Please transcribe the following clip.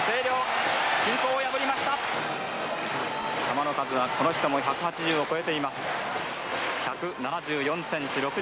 球の数はこの人も１８０を超えています。